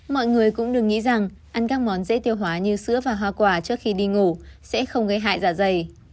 mọi người cũng đừng nghĩ rằng ăn các món dễ tiêu hóa như sữa và hoa quả trước khi đi ngủ sẽ không gây hại da dày